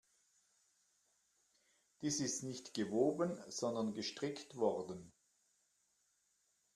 Dies ist nicht gewoben, sondern gestrickt worden.